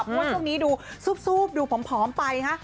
เพราะว่าช่วงนี้ดูซูบดูผอมไปฮะ